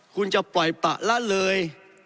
คุณจะปล่อยปะละเลย